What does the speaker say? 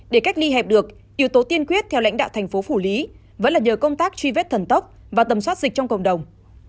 để cách ly hẹp được yếu tố tiên quyết theo lãnh đạo thành phố phủ lý vẫn là nhờ công tác truy vết thần tốc và tầm soát dịch trong cộng đồng